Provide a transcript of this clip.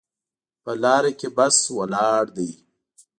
په لاره کې بس ولاړ ده